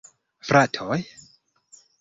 Fratoj!